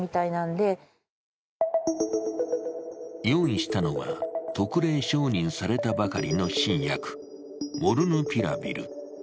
用意したのは特例承認されたばかりの新薬、モルヌピラビル。